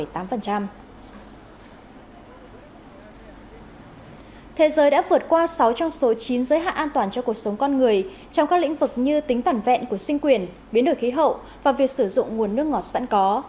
thế giới đã vượt qua sáu trong số chín giới hạn an toàn cho cuộc sống con người trong các lĩnh vực như tính toàn vẹn của sinh quyền biến đổi khí hậu và việc sử dụng nguồn nước ngọt sẵn có